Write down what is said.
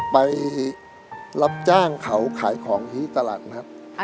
ไปรับจ้างเขาขายของที่ตลาดนัด